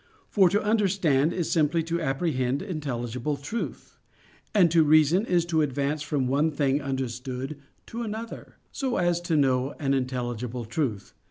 For to understand is simply to apprehend intelligible truth: and to reason is to advance from one thing understood to another, so as to know an intelligible truth.